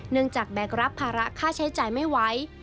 จากแบกรับภาระค่าใช้จ่ายไม่ไหว